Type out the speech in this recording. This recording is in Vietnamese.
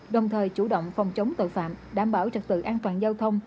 đồng thời chủ động phòng chống tội phạm đảm bảo trật tự an toàn giao thông